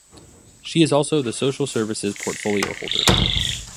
She is also the Social Services portfolio holder.